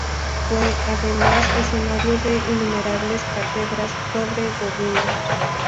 Fue, además, escenario de innumerables cátedras sobre bovinos.